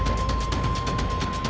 tidak sepuluh hari lebih